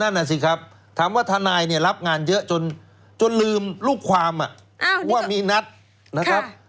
นั่นน่ะสิครับถามว่าทนายเนี่ยรับงานเยอะจนลืมลูกความว่ามีนัดนะครับ